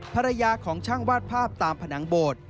ภรรยาของช่างวาดภาพตามผนังโบสถ์